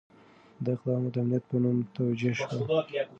دا اقدامات د امنیت په نوم توجیه شول.